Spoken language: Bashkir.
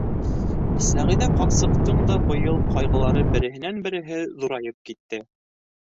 Сәғиҙә ҡарсыҡтың да быйыл ҡайғылары береһенән-береһе ҙурайып китте.